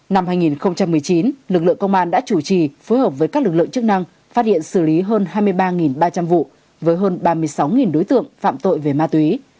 năm hai nghìn một mươi chín lực lượng công an đã chủ trì phối hợp với các lực lượng chức năng phát hiện xử lý hơn hai mươi ba ba trăm linh vụ với hơn ba mươi sáu đối tượng phạm tội về ma túy